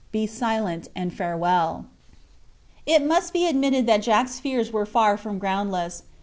Be silent, and farewell!" It must be admitted that Jack Ryan's fears were far from groundless.